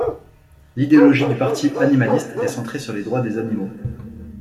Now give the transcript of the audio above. L'idéologie du Parti animaliste est centrée sur les droits des animaux.